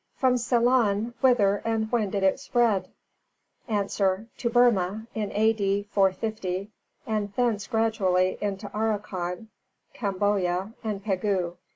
From Ceylon, whither and when did it spread? A. To Burma, in A.D. 450, and thence gradually into Arakan, Kamboya and Pegu.